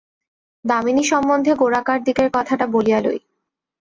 দামিনী সম্বন্ধে গোড়াকার দিকের কথাটা বলিয়া লই।